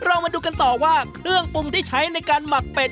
เรามาดูกันต่อว่าเครื่องปรุงที่ใช้ในการหมักเป็ด